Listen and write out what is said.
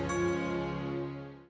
itu bener kurang atuh